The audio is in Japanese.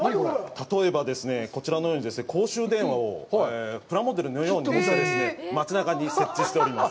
例えばですね、こちらのように公衆電話をプラモデルのように、街なかに設置しております。